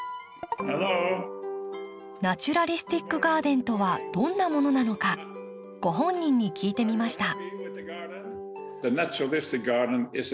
Ｈｅｌｌｏ．ナチュラリスティック・ガーデンとはどんなものなのかご本人に聞いてみました。